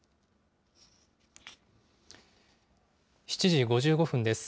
７時５５分です。